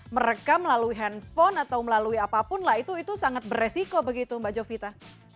merekam melalui handphone atau melalui apapun lah itu sangat beresiko begitu mbak jovita